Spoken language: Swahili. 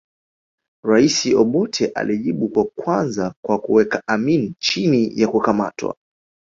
Rais Obote alijibu kwa kwanza kwa kuweka Amin chini ya kukamatwa